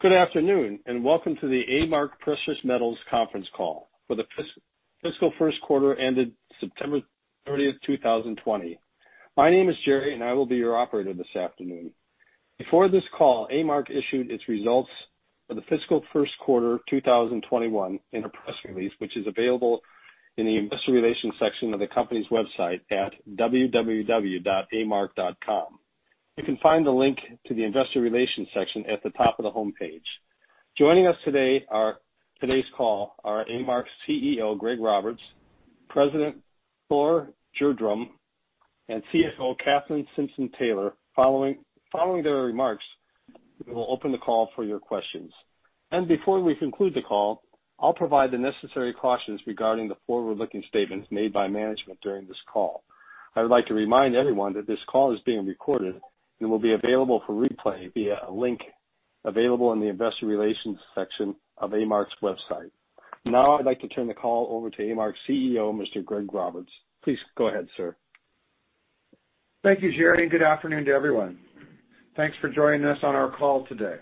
Good afternoon, and welcome to the A-Mark Precious Metals conference call for the fiscal first quarter ended September 30th, 2020. My name is Jerry, and I will be your operator this afternoon. Before this call, A-Mark issued its results for the fiscal first quarter 2021 in a press release, which is available in the investor relations section of the company's website at www.amark.com. You can find the link to the investor relations section at the top of the homepage. Today's call are A-Mark's CEO, Greg Roberts, President Thor Gjerdrum, and CFO Kathleen Simpson-Taylor. Before we conclude the call, I'll provide the necessary cautions regarding the forward-looking statements made by management during this call. I would like to remind everyone that this call is being recorded and will be available for replay via a link available in the investor relations section of A-Mark's website. I'd like to turn the call over to A-Mark's CEO, Mr. Greg Roberts. Please go ahead, sir. Thank you, Jerry. Good afternoon to everyone. Thanks for joining us on our call today.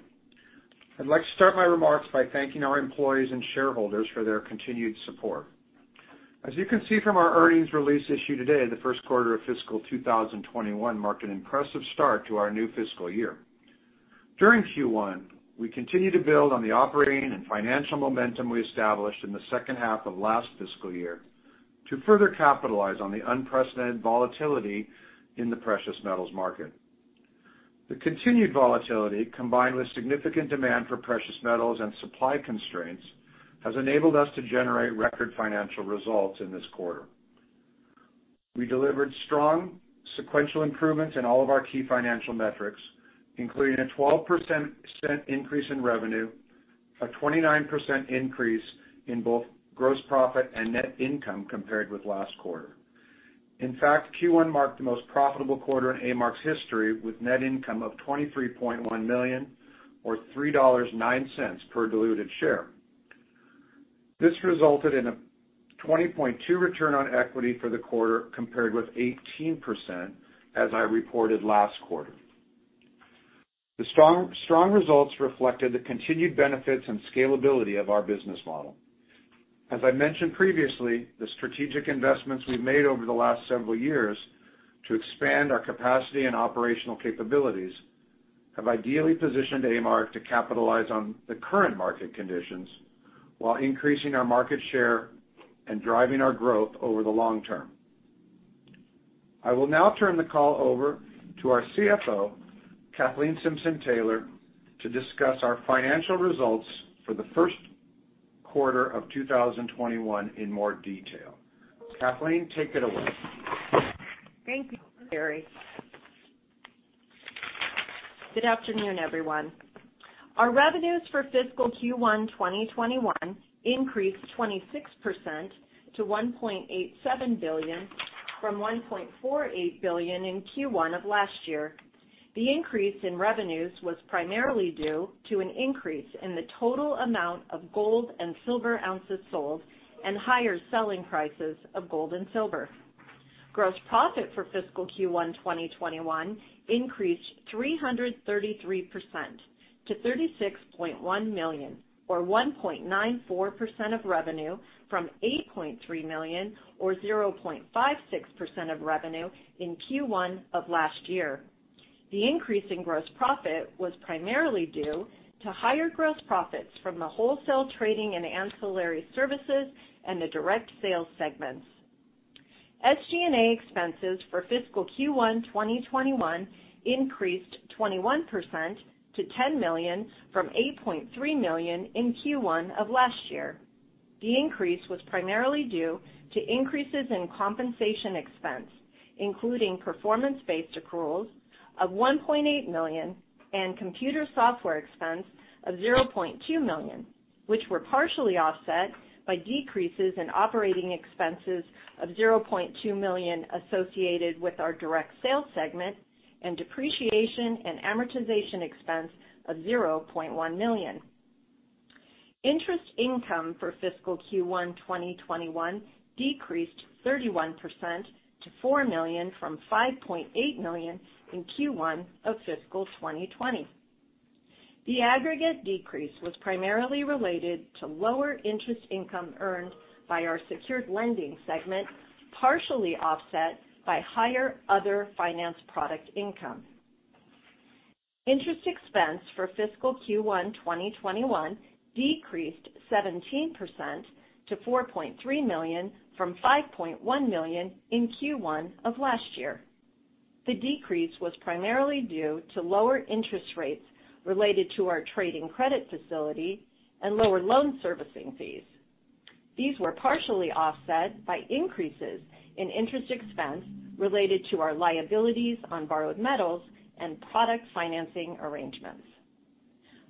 I'd like to start my remarks by thanking our employees and shareholders for their continued support. As you can see from our earnings release issued today, the first quarter of fiscal 2021 marked an impressive start to our new fiscal year. During Q1, we continued to build on the operating and financial momentum we established in the second half of last fiscal year to further capitalize on the unprecedented volatility in the precious metals market. The continued volatility, combined with significant demand for precious metals and supply constraints, has enabled us to generate record financial results in this quarter. We delivered strong sequential improvements in all of our key financial metrics, including a 12% increase in revenue, a 29% increase in both gross profit and net income compared with last quarter. In fact, Q1 marked the most profitable quarter in A-Mark's history, with net income of $23.1 million, or $3.09 per diluted share. This resulted in a 20.2% return on equity for the quarter, compared with 18% as I reported last quarter. The strong results reflected the continued benefits and scalability of our business model. As I mentioned previously, the strategic investments we've made over the last several years to expand our capacity and operational capabilities have ideally positioned A-Mark to capitalize on the current market conditions while increasing our market share and driving our growth over the long term. I will now turn the call over to our CFO, Kathleen Simpson Taylor, to discuss our financial results for the first quarter of 2021 in more detail. Kathleen, take it away. Thank you, Jerry. Good afternoon, everyone. Our revenues for fiscal Q1 2021 increased 26% to $1.87 billion from $1.48 billion in Q1 of last year. The increase in revenues was primarily due to an increase in the total amount of gold and silver ounces sold and higher selling prices of gold and silver. Gross profit for fiscal Q1 2021 increased 333% to $36.1 million, or 1.94% of revenue from $8.3 million, or 0.56% of revenue in Q1 of last year. The increase in gross profit was primarily due to higher gross profits from the wholesale trading and ancillary services and the direct sales segments. SG&A expenses for fiscal Q1 2021 increased 21% to $10 million from $8.3 million in Q1 of last year. The increase was primarily due to increases in compensation expense, including performance-based accruals of $1.8 million and computer software expense of $0.2 million, which were partially offset by decreases in operating expenses of $0.2 million associated with our direct sales segment and depreciation and amortization expense of $0.1 million. Interest income for fiscal Q1 2021 decreased 31% to $4 million from $5.8 million in Q1 of fiscal 2020. The aggregate decrease was primarily related to lower interest income earned by our secured lending segment, partially offset by higher other finance product income. Interest expense for fiscal Q1 2021 decreased 17% to $4.3 million from $5.1 million in Q1 of last year. The decrease was primarily due to lower interest rates related to our trading credit facility and lower loan servicing fees. These were partially offset by increases in interest expense related to our liabilities on borrowed metals and product financing arrangements.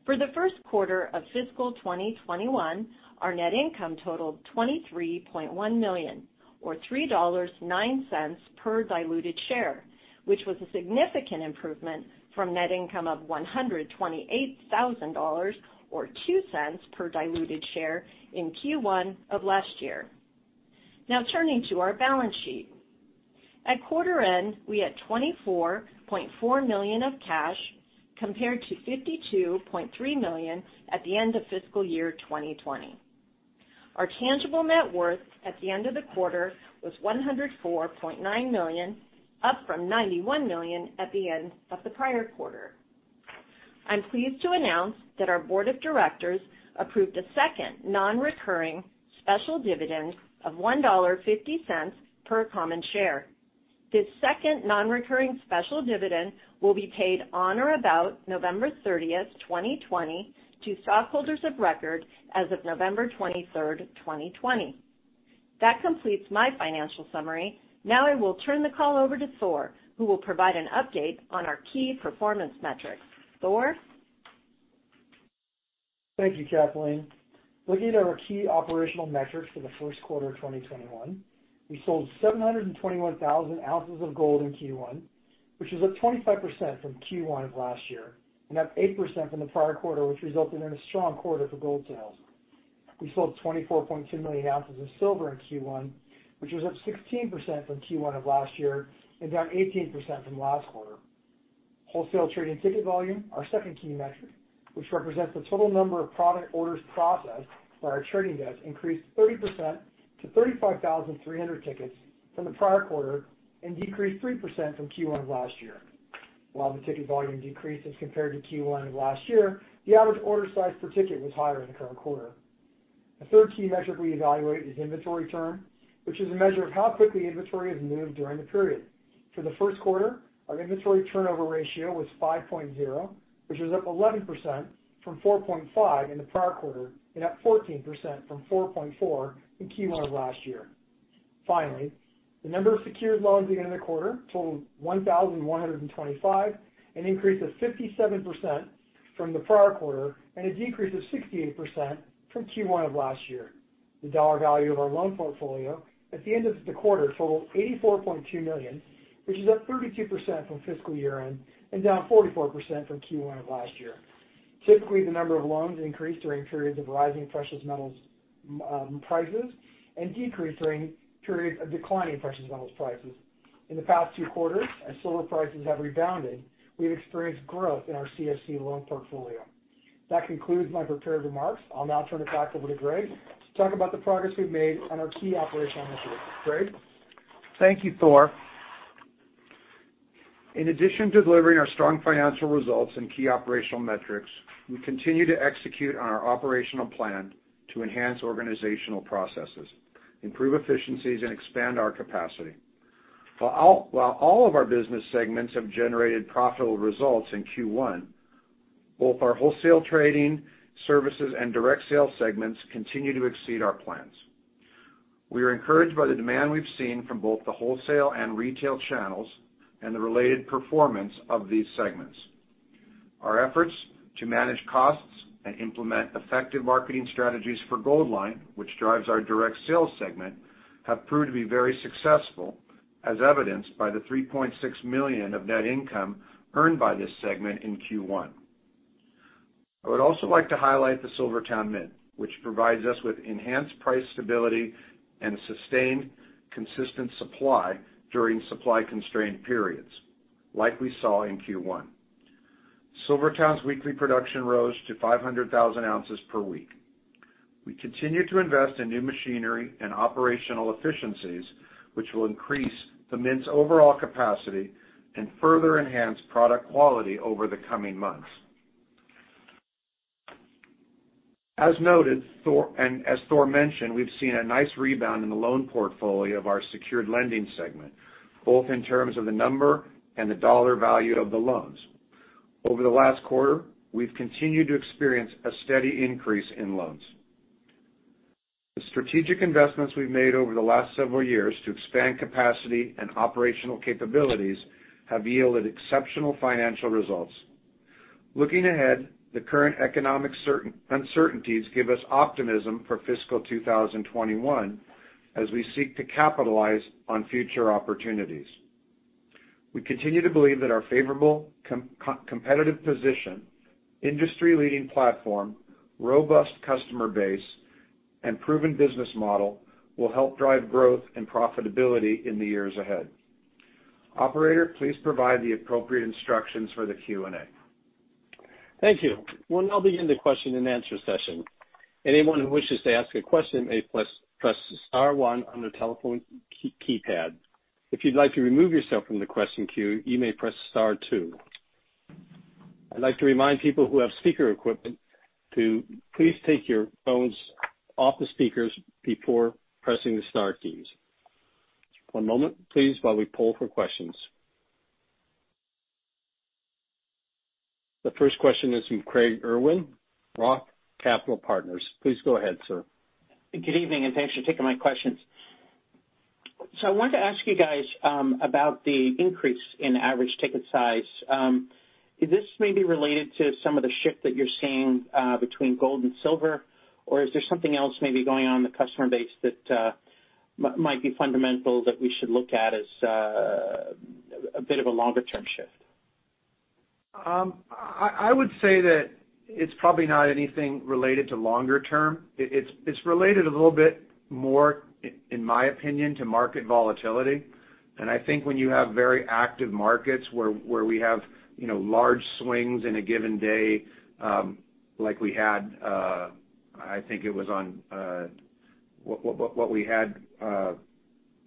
For the first quarter of fiscal 2021, our net income totaled $23.1 million, or $3.09 per diluted share, which was a significant improvement from net income of $128,000, or $0.02 per diluted share in Q1 of last year. Turning to our balance sheet. At quarter end, we had $24.4 million of cash compared to $52.3 million at the end of fiscal year 2020. Our tangible net worth at the end of the quarter was $104.9 million, up from $91 million at the end of the prior quarter. I'm pleased to announce that our board of directors approved a second non-recurring special dividend of $1.50 per common share. This second non-recurring special dividend will be paid on or about November 30th, 2020 to stockholders of record as of November 23rd, 2020. That completes my financial summary. Now I will turn the call over to Thor, who will provide an update on our key performance metrics. Thor? Thank you, Kathleen. Looking at our key operational metrics for the first quarter of 2021, we sold 721,000 ounces of gold in Q1, which is up 25% from Q1 of last year, and up 8% from the prior quarter, which resulted in a strong quarter for gold sales. We sold 24.2 million ounces of silver in Q1, which was up 16% from Q1 of last year and down 18% from last quarter. Wholesale trading ticket volume, our second key metric, which represents the total number of product orders processed by our trading desk, increased 30% to 35,300 tickets from the prior quarter and decreased 3% from Q1 of last year. While the ticket volume decreased as compared to Q1 of last year, the average order size per ticket was higher in the current quarter. The third key metric we evaluate is inventory turn, which is a measure of how quickly inventory has moved during the period. For the first quarter, our inventory turnover ratio was 5.0, which was up 11% from 4.5 in the prior quarter and up 14% from 4.4 in Q1 of last year. Finally, the number of secured loans at the end of the quarter totaled 1,125, an increase of 57% from the prior quarter and a decrease of 68% from Q1 of last year. The dollar value of our loan portfolio at the end of the quarter totaled $84.2 million, which is up 32% from fiscal year-end and down 44% from Q1 of last year. Typically, the number of loans increase during periods of rising precious metals prices and decrease during periods of declining precious metals prices. In the past two quarters, as silver prices have rebounded, we've experienced growth in our CFC loan portfolio. That concludes my prepared remarks. I'll now turn it back over to Greg to talk about the progress we've made on our key operational issues. Greg? Thank you, Thor. In addition to delivering our strong financial results and key operational metrics, we continue to execute on our operational plan to enhance organizational processes, improve efficiencies, and expand our capacity. While all of our business segments have generated profitable results in Q1, both our wholesale trading services and direct sales segments continue to exceed our plans. We are encouraged by the demand we've seen from both the wholesale and retail channels and the related performance of these segments. Our efforts to manage costs and implement effective marketing strategies for Goldline, which drives our direct sales segment, have proved to be very successful, as evidenced by the $3.6 million of net income earned by this segment in Q1. I would also like to highlight the SilverTowne Mint, which provides us with enhanced price stability and sustained consistent supply during supply constraint periods like we saw in Q1. SilverTowne's weekly production rose to 500,000 ounces per week. We continue to invest in new machinery and operational efficiencies, which will increase the mint's overall capacity and further enhance product quality over the coming months. As noted, and as Thor mentioned, we've seen a nice rebound in the loan portfolio of our secured lending segment, both in terms of the number and the dollar value of the loans. Over the last quarter, we've continued to experience a steady increase in loans. The strategic investments we've made over the last several years to expand capacity and operational capabilities have yielded exceptional financial results. Looking ahead, the current economic uncertainties give us optimism for fiscal 2021 as we seek to capitalize on future opportunities. We continue to believe that our favorable competitive position, industry-leading platform, robust customer base, and proven business model will help drive growth and profitability in the years ahead. Operator, please provide the appropriate instructions for the Q&A. Thank you. We'll now begin the question and answer session. Anyone who wishes to ask a question may press star one on their telephone keypad. If you'd like to remove yourself from the question queue, you may press star two. I'd like to remind people who have speaker equipment to please take your phones off the speakers before pressing the star keys. One moment, please, while we poll for questions. The first question is from Craig Irwin, Roth Capital Partners. Please go ahead, sir. Good evening, thanks for taking my questions. I wanted to ask you guys about the increase in average ticket size. Is this maybe related to some of the shift that you're seeing between gold and silver, or is there something else maybe going on in the customer base that might be fundamental that we should look at as a bit of a longer-term shift? I would say that it's probably not anything related to longer term. It's related a little bit more, in my opinion, to market volatility. I think when you have very active markets where we have large swings in a given day, like we had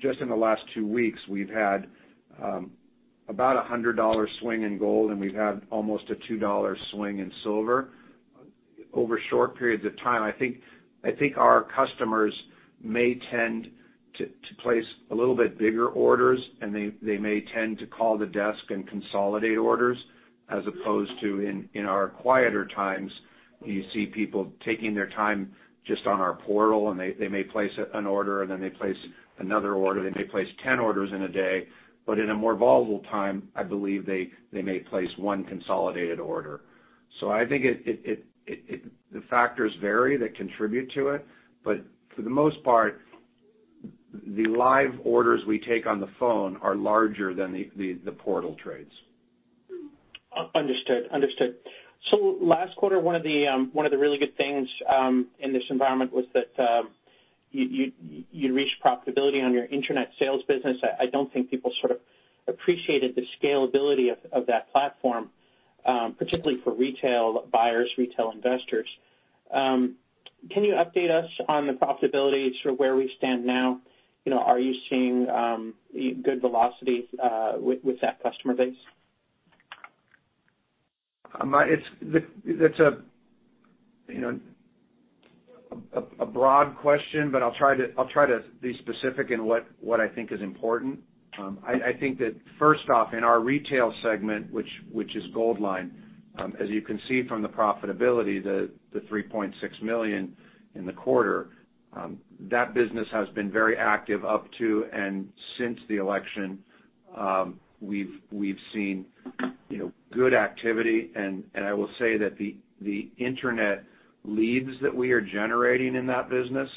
just in the last two weeks, we've had about $100 swing in gold, and we've had almost a $2 swing in silver over short periods of time. I think our customers may tend to place a little bit bigger orders, they may tend to call the desk and consolidate orders as opposed to in our quieter times, you see people taking their time just on our portal, they may place an order, then they place another order. They may place 10 orders in a day. In a more volatile time, I believe they may place one consolidated order. I think the factors vary that contribute to it. For the most part, the live orders we take on the phone are larger than the portal trades. Understood. Last quarter, one of the really good things in this environment was that you reached profitability on your internet sales business. I don't think people sort of appreciated the scalability of that platform, particularly for retail buyers, retail investors. Can you update us on the profitability, sort of where we stand now? Are you seeing good velocity with that customer base? That's a broad question, but I'll try to be specific in what I think is important. I think that first off, in our retail segment, which is Goldline, as you can see from the profitability, the $3.6 million in the quarter, that business has been very active up to and since the election. We've seen good activity, and I will say that the internet leads that we are generating in that business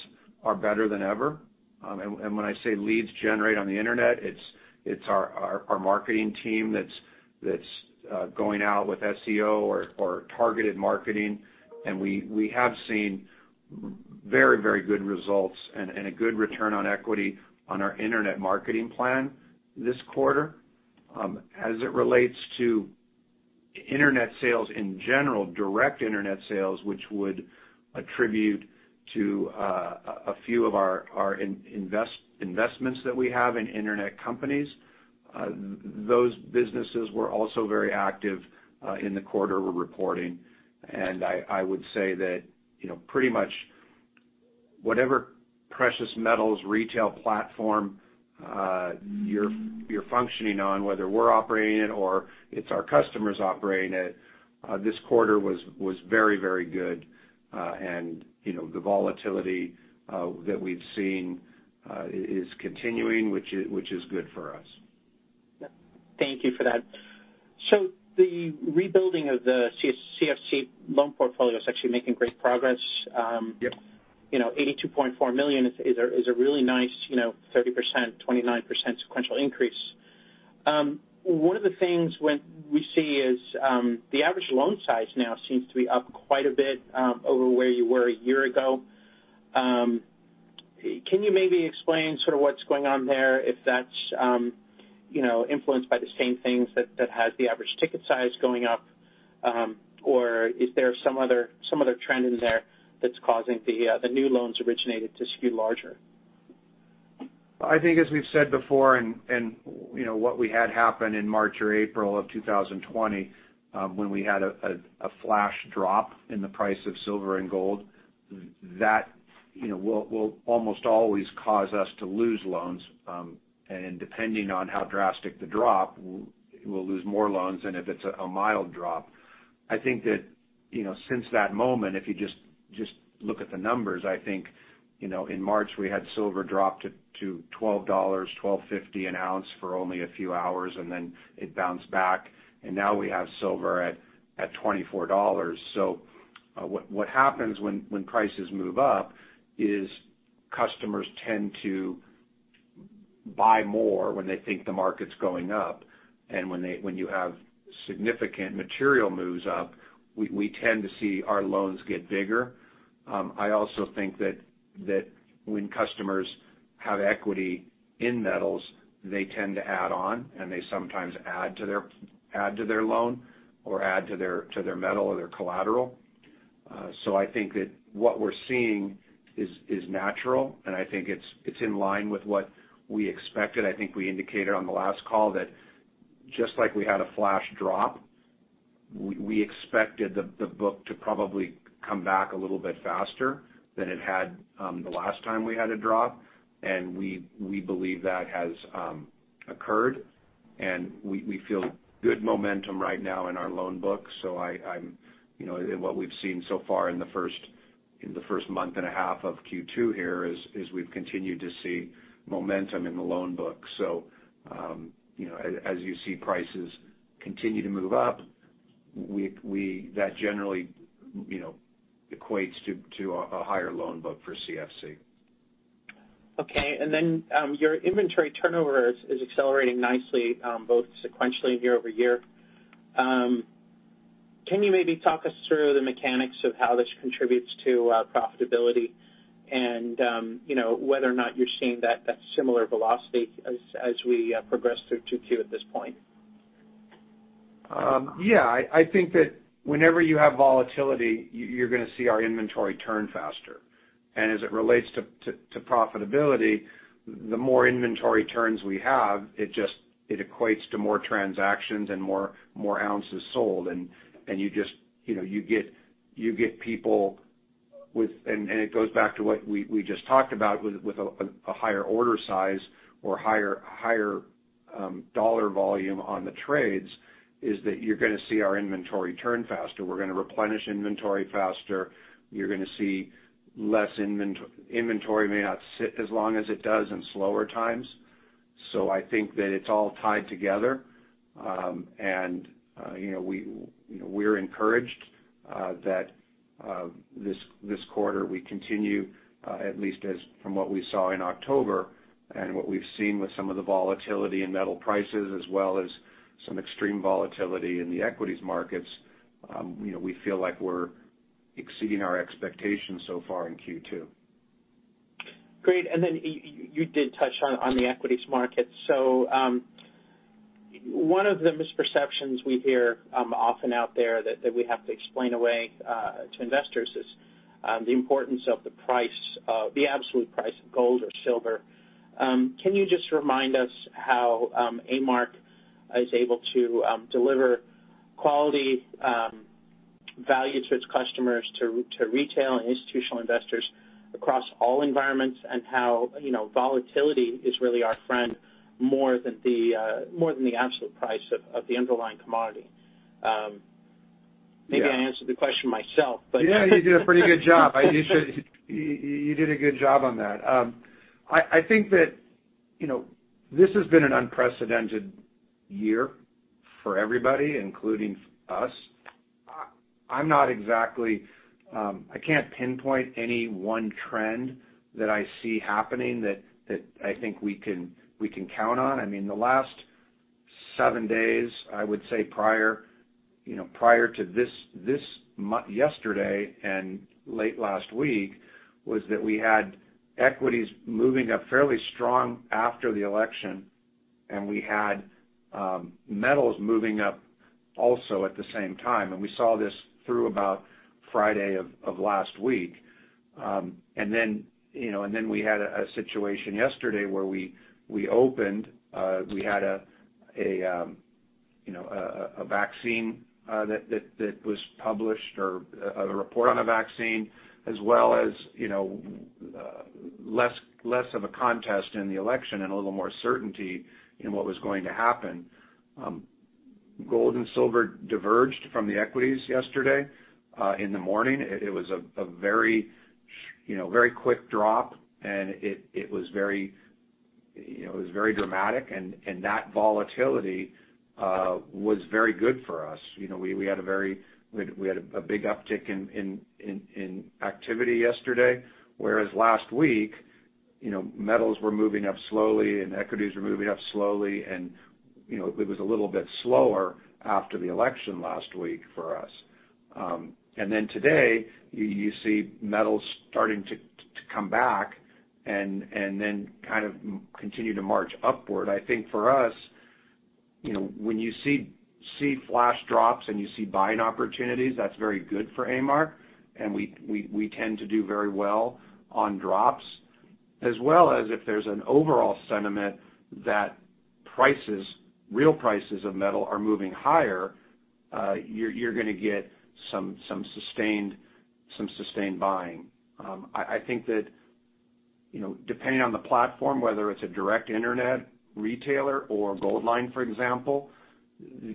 are better than ever. When I say leads generate on the internet, it's our marketing team that's going out with SEO or targeted marketing, and we have seen very good results and a good return on equity on our internet marketing plan this quarter. As it relates to internet sales in general, direct internet sales, which would attribute to a few of our investments that we have in internet companies, those businesses were also very active in the quarter we're reporting. I would say that pretty much whatever precious metals retail platform you're functioning on, whether we're operating it or it's our customers operating it, this quarter was very good. The volatility that we've seen is continuing, which is good for us. Thank you for that. The rebuilding of the CFC loan portfolio is actually making great progress. Yep. $82.4 million is a really nice 30%, 29% sequential increase. One of the things we see is the average loan size now seems to be up quite a bit over where you were a year ago. Can you maybe explain sort of what's going on there, if that's influenced by the same things that has the average ticket size going up? Or is there some other trend in there that's causing the new loans originated to skew larger? I think as we've said before, what we had happen in March or April of 2020, when we had a flash drop in the price of silver and gold, that will almost always cause us to lose loans. Depending on how drastic the drop, we'll lose more loans than if it's a mild drop. I think that since that moment, if you just look at the numbers, I think, in March, we had silver drop to $12, $12.50 an ounce for only a few hours, and then it bounced back. Now we have silver at $24. What happens when prices move up is customers tend to buy more when they think the market's going up. When you have significant material moves up, we tend to see our loans get bigger. I also think that when customers have equity in metals, they tend to add on, and they sometimes add to their loan or add to their metal or their collateral. I think that what we're seeing is natural, and I think it's in line with what we expected. I think we indicated on the last call that just like we had a flash drop, we expected the book to probably come back a little bit faster than it had the last time we had a drop. We believe that has occurred, and we feel good momentum right now in our loan book. What we've seen so far in the first month and a half of Q2 here is we've continued to see momentum in the loan book. As you see prices continue to move up, that generally equates to a higher loan book for CFC. Okay. Your inventory turnover is accelerating nicely both sequentially and year-over-year. Can you maybe talk us through the mechanics of how this contributes to profitability and whether or not you're seeing that similar velocity as we progress through 2Q at this point? Yeah. I think that whenever you have volatility, you're going to see our inventory turn faster. As it relates to profitability, the more inventory turns we have, it equates to more transactions and more ounces sold. It goes back to what we just talked about with a higher order size or higher dollar volume on the trades, is that you're going to see our inventory turn faster. We're going to replenish inventory faster. You're going to see less inventory may not sit as long as it does in slower times. I think that it's all tied together. We're encouraged that this quarter we continue, at least as from what we saw in October and what we've seen with some of the volatility in metal prices as well as some extreme volatility in the equities markets, we feel like we're exceeding our expectations so far in Q2. Great. You did touch on the equities market. One of the misperceptions we hear often out there that we have to explain away to investors is the importance of the absolute price of gold or silver. Can you just remind us how A-Mark is able to deliver quality value to its customers, to retail and institutional investors across all environments and how volatility is really our friend more than the absolute price of the underlying commodity? Maybe I answered the question myself. Yeah, you did a pretty good job. You did a good job on that. I think that this has been an unprecedented year for everybody, including us. I can't pinpoint any one trend that I see happening that I think we can count on. I mean, the last seven days, I would say prior to yesterday and late last week, was that we had equities moving up fairly strong after the election, and we had metals moving up also at the same time, and we saw this through about Friday of last week. We had a situation yesterday where we opened, we had a vaccine that was published or a report on a vaccine, as well as less of a contest in the election and a little more certainty in what was going to happen. Gold and silver diverged from the equities yesterday. In the morning, it was a very quick drop, and it was very dramatic, and that volatility was very good for us. We had a big uptick in activity yesterday, whereas last week, metals were moving up slowly, and equities were moving up slowly, and it was a little bit slower after the election last week for us. Today, you see metals starting to come back and then kind of continue to march upward. I think for us, when you see flash drops and you see buying opportunities, that's very good for A-Mark, and we tend to do very well on drops, as well as if there's an overall sentiment that real prices of metal are moving higher, you're going to get some sustained buying. I think that depending on the platform, whether it's a direct internet retailer or Goldline, for example,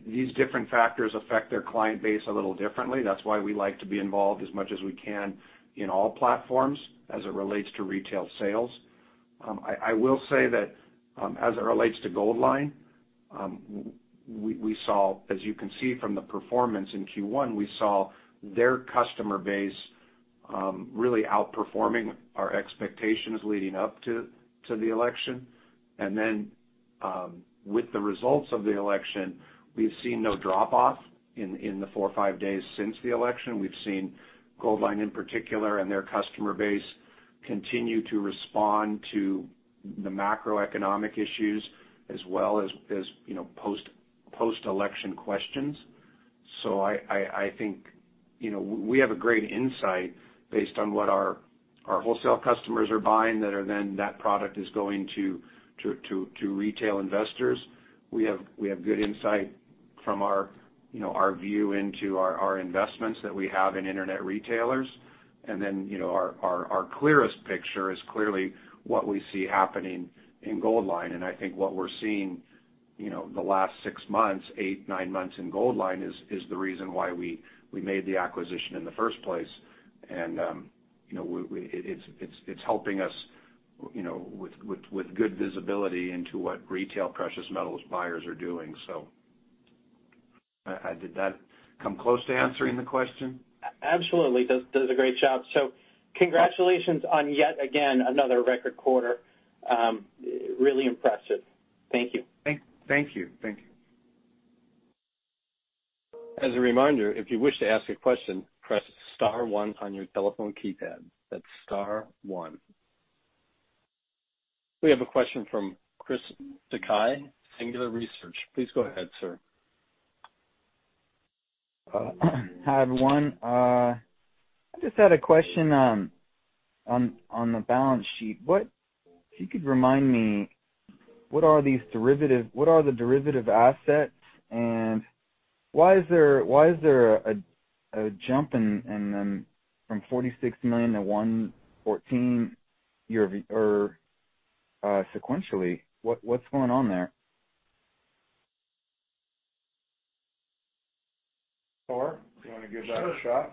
these different factors affect their client base a little differently. That's why we like to be involved as much as we can in all platforms as it relates to retail sales. I will say that as it relates to Goldline, as you can see from the performance in Q1, we saw their customer base really outperforming our expectations leading up to the election. With the results of the election, we've seen no drop off in the four or five days since the election. We've seen Goldline in particular and their customer base continue to respond to the macroeconomic issues as well as post-election questions. I think we have a great insight based on what our wholesale customers are buying that product is going to retail investors. We have good insight from our view into our investments that we have in internet retailers. Our clearest picture is clearly what we see happening in Goldline, and I think what we're seeing the last six months, eight, nine months in Goldline is the reason why we made the acquisition in the first place. It's helping us with good visibility into what retail precious metals buyers are doing. Did that come close to answering the question? Absolutely. Does a great job. Congratulations on yet again another record quarter. Really impressive. Thank you. Thank you. As a reminder, if you wish to ask a question, press star one on your telephone keypad. That's star one. We have a question from Chris Dakhi, Singular Research. Please go ahead, sir. Hi, everyone. I just had a question on the balance sheet. If you could remind me, what are the derivative assets, and why is there a jump in them from $46 million to $114 million sequentially? What's going on there? Thor, do you want to give that a shot?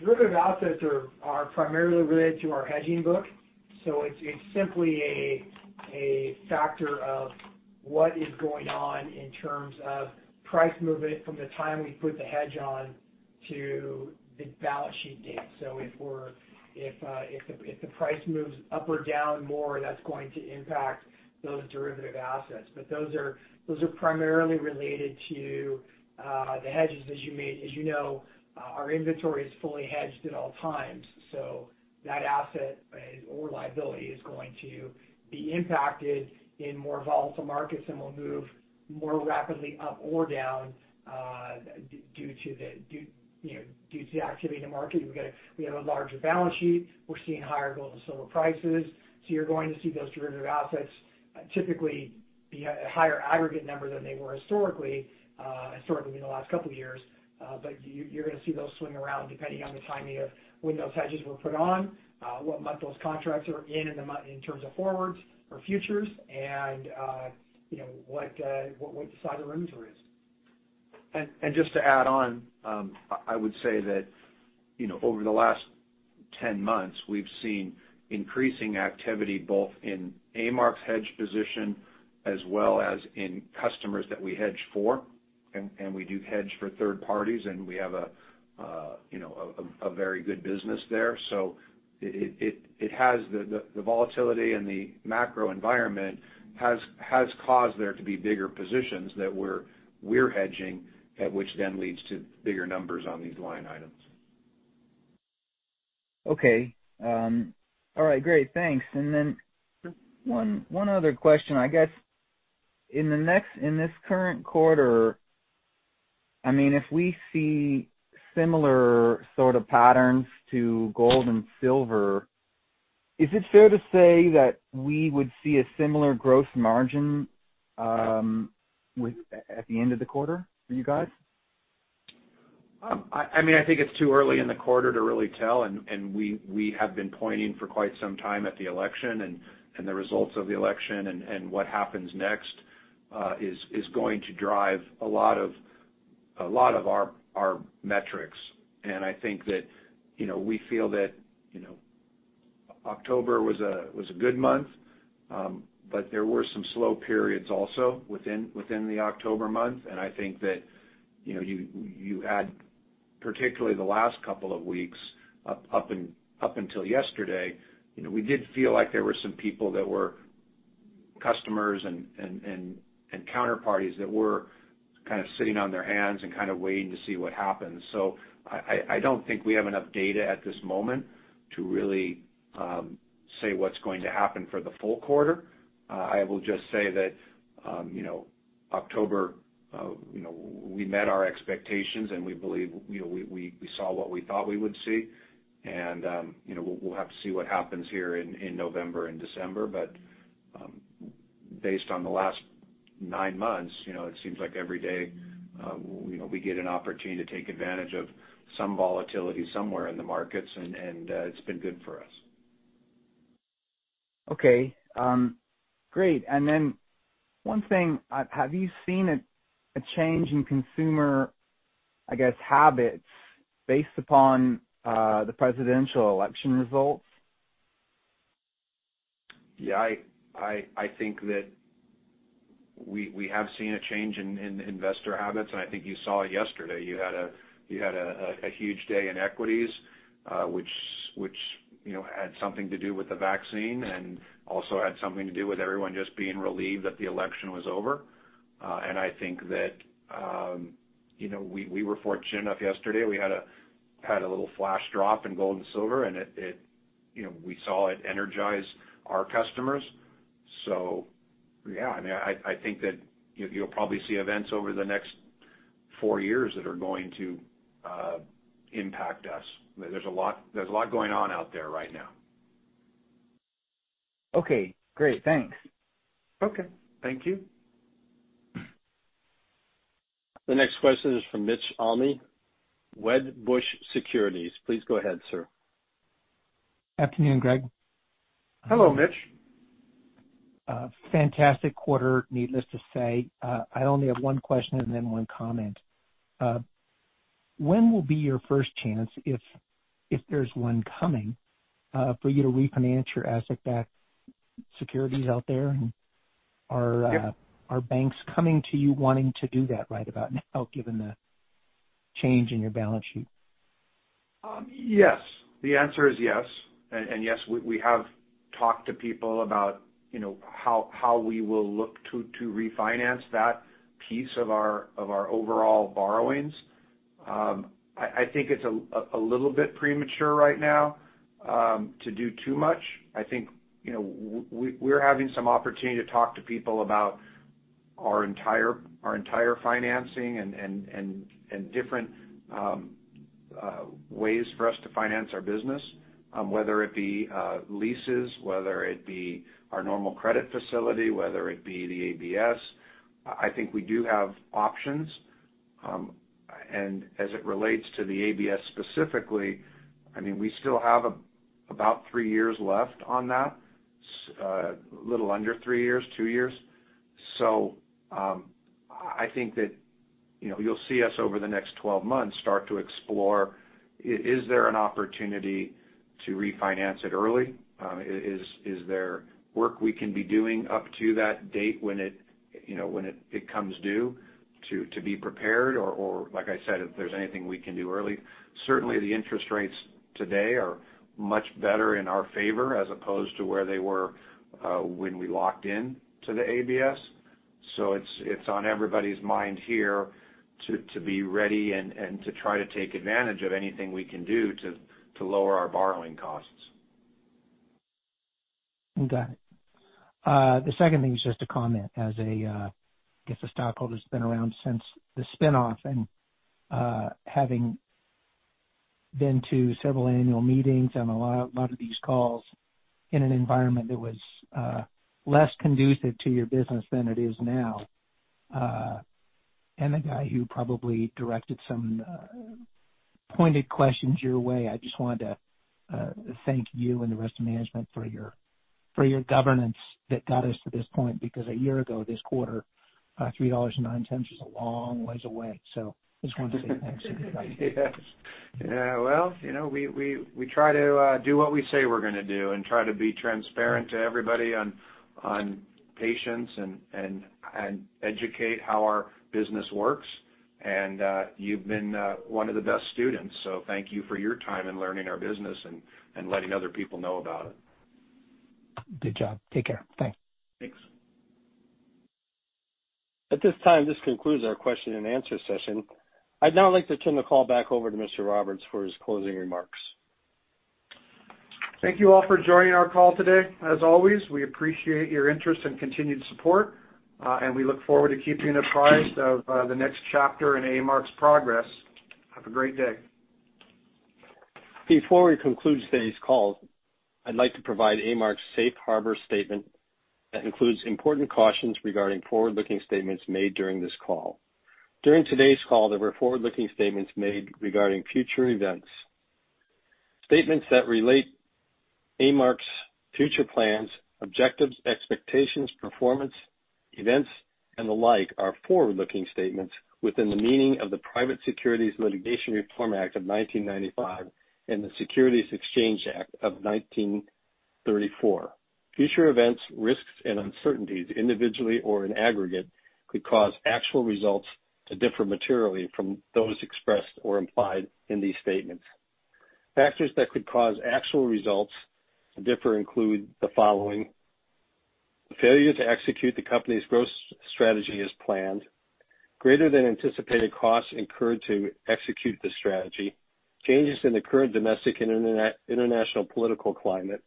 Sure. Derivative assets are primarily related to our hedging book. It's simply a factor of what is going on in terms of price movement from the time we put the hedge on to the balance sheet date. If the price moves up or down more, that's going to impact those derivative assets. Those are primarily related to the hedges. As you know, our inventory is fully hedged at all times, so that asset or liability is going to be impacted in more volatile markets and will move more rapidly up or down due to the activity in the market. We have a larger balance sheet. We're seeing higher gold and silver prices. You're going to see those derivative assets typically be a higher aggregate number than they were historically in the last couple of years. You're going to see those swing around depending on the timing of when those hedges were put on, what month those contracts are in terms of forwards or futures, and what the size of the inventory is. Just to add on, I would say that over the last 10 months, we've seen increasing activity both in A-Mark's hedge position as well as in customers that we hedge for. We do hedge for third parties, and we have a very good business there. The volatility and the macro environment has caused there to be bigger positions that we're hedging, which then leads to bigger numbers on these line items. Okay. All right, great. Thanks. Just one other question. I guess in this current quarter, if we see similar sort of patterns to gold and silver, is it fair to say that we would see a similar gross margin at the end of the quarter for you guys? I think it's too early in the quarter to really tell, and we have been pointing for quite some time at the election, and the results of the election and what happens next is going to drive a lot of our metrics. I think that we feel that October was a good month, but there were some slow periods also within the October month. I think that you add particularly the last couple of weeks up until yesterday, we did feel like there were some people that were customers and counterparties that were kind of sitting on their hands and kind of waiting to see what happens. I don't think we have enough data at this moment to really say what's going to happen for the full quarter. I will just say that October, we met our expectations, and we saw what we thought we would see. We'll have to see what happens here in November and December. Based on the last nine months, it seems like every day we get an opportunity to take advantage of some volatility somewhere in the markets, and it's been good for us. Okay. Great. One thing, have you seen a change in consumer habits based upon the presidential election results? I think that we have seen a change in investor habits. I think you saw it yesterday. You had a huge day in equities, which had something to do with the vaccine and also had something to do with everyone just being relieved that the election was over. I think that we were fortunate enough yesterday. We had a little flash drop in gold and silver, and we saw it energize our customers. I think that you'll probably see events over the next four years that are going to impact us. There's a lot going on out there right now. Okay, great. Thanks. Okay. Thank you. The next question is from Mitch Almy, Wedbush Securities. Please go ahead, sir. Afternoon, Greg. Hello, Mitch. Fantastic quarter, needless to say. I only have one question and then one comment. When will be your first chance, if there's one coming, for you to refinance your asset-backed securities out there? Are banks coming to you wanting to do that right about now, given the change in your balance sheet? Yes. The answer is yes. Yes, we have talked to people about how we will look to refinance that piece of our overall borrowings. I think it's a little bit premature right now to do too much. I think we're having some opportunity to talk to people about our entire financing and different ways for us to finance our business, whether it be leases, whether it be our normal credit facility, whether it be the ABS. I think we do have options. As it relates to the ABS specifically, we still have about 3 years left on that. A little under 3 years, 2 years. I think that you'll see us over the next 12 months start to explore, is there an opportunity to refinance it early? Is there work we can be doing up to that date when it comes due to be prepared or, like I said, if there's anything we can do early. Certainly, the interest rates today are much better in our favor, as opposed to where they were when we locked in to the ABS. It's on everybody's mind here to be ready and to try to take advantage of anything we can do to lower our borrowing costs. Got it. The second thing is just a comment as a, I guess, a stockholder that's been around since the spinoff and having been to several annual meetings and a lot of these calls in an environment that was less conducive to your business than it is now. A guy who probably directed some pointed questions your way. I just wanted to thank you and the rest of management for your governance that got us to this point. A year ago this quarter, $3.09 was a long ways away. I just wanted to say thanks. Yes. Well, we try to do what we say we're going to do and try to be transparent to everybody on patience and educate how our business works. You've been one of the best students, so thank you for your time in learning our business and letting other people know about it,. Good job. Take care. Thanks. Thanks. At this time, this concludes our question and answer session. I'd now like to turn the call back over to Mr. Roberts for his closing remarks. Thank you all for joining our call today. As always, we appreciate your interest and continued support, and we look forward to keeping you apprised of the next chapter in A-Mark's progress. Have a great day. Before we conclude today's call, I'd like to provide A-Mark's Safe Harbor statement that includes important cautions regarding forward-looking statements made during this call. During today's call, there were forward-looking statements made regarding future events. Statements that relate A-Mark's future plans, objectives, expectations, performance, events, and the like are forward-looking statements within the meaning of the Private Securities Litigation Reform Act of 1995 and the Securities Exchange Act of 1934. Future events, risks, and uncertainties, individually or in aggregate, could cause actual results to differ materially from those expressed or implied in these statements. Factors that could cause actual results to differ include the following. Failure to execute the company's growth strategy as planned, greater than anticipated costs incurred to execute the strategy, changes in the current domestic and international political climate,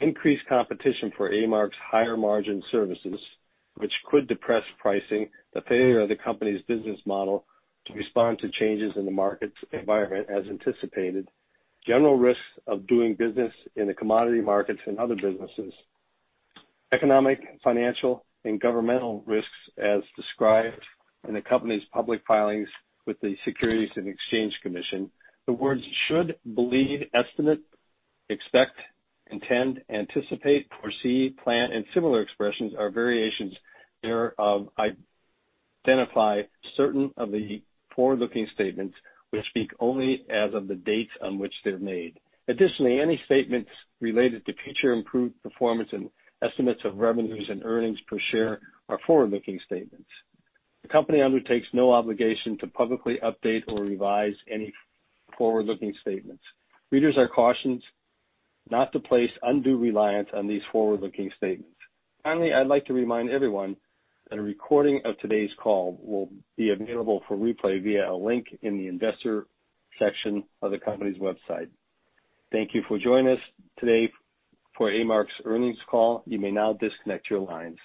increased competition for A-Mark's higher margin services, which could depress pricing, the failure of the company's business model to respond to changes in the market environment as anticipated, general risks of doing business in the commodity markets and other businesses, economic, financial, and governmental risks as described in the company's public filings with the Securities and Exchange Commission. The words should, believe, estimate, expect, intend, anticipate, foresee, plan, and similar expressions are variations thereof identify certain of the forward-looking statements which speak only as of the dates on which they're made. Additionally, any statements related to future improved performance and estimates of revenues and earnings per share are forward-looking statements. The company undertakes no obligation to publicly update or revise any forward-looking statements. Readers are cautioned not to place undue reliance on these forward-looking statements. Finally, I'd like to remind everyone that a recording of today's call will be available for replay via a link in the investor section of the company's website. Thank you for joining us today for A-Mark's earnings call. You may now disconnect your lines.